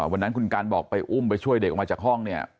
วันนั้นคุณกันบอกไปอุ้มไปช่วยเด็กออกมาจากห้องเนี่ย